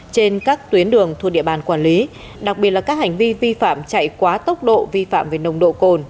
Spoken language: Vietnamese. trên các tuyến đường thuộc địa bàn quản lý đặc biệt là các hành vi vi phạm chạy quá tốc độ vi phạm về nồng độ cồn